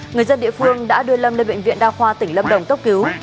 người dân địa phương đã đưa lâm lên bệnh viện đa khoa tỉnh lâm đồng tốc cứu